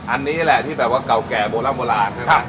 อันนี้แหละที่แบบว่าเก่าแก่โบราณใช่ไหม